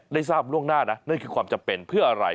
ได้ทราบล่วงหน้านะนั่นคือความจำเป็นเพื่ออะไร